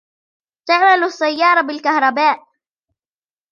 تعمل السيارة بالكهرباء.